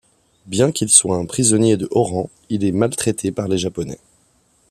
Bien qu'il soit un prisonnier de haut rang, il est maltraité par les Japonais.